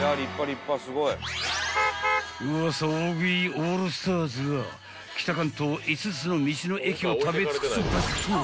［ウワサ大食いオールスターズが北関東５つの道の駅を食べ尽くすバスツアー］